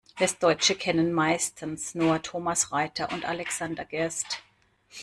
Westdeutsche kennen meistens nur Thomas Reiter und Alexander Gerst.